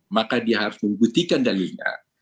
maka dia harus membuktikan dalilnya